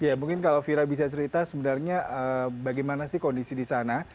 ya mungkin kalau vira bisa cerita sebenarnya bagaimana sih kondisi di sana